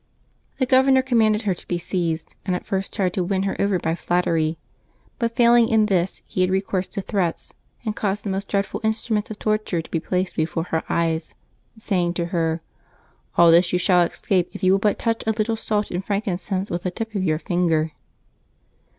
The governor commanded her to be seized, and at first tried to win her over by flattery, but failing in this, he had recourse to threats, and caused the most dread ful instruments of torture to be placed before her eyes, say ing to her :" All this you shall escape if you will but touch a little salt and frankincense with the tip of your finger.